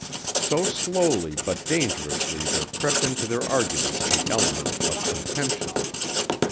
So slowly but dangerously there crept into their arguments the element of contention.